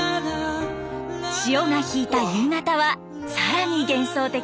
潮が引いた夕方は更に幻想的。